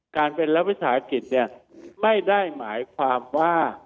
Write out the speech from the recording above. การเป็นรัฐวิสาหกิจเนี่ยไม่ได้หมายความว่า